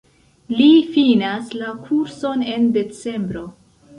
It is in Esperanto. Li finas la kurson en decembro.